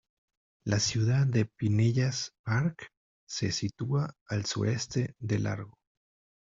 La ciudad de Pinellas Park se sitúa al sureste de Largo.